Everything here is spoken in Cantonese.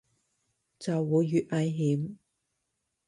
就會越危險